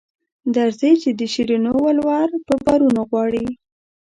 درځئ چې د شیرینو ولور په بارونو غواړي.